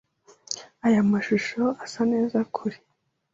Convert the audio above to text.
Aya mashusho asa neza kure.